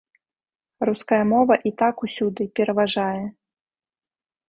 Руская мова і так усюды пераважае.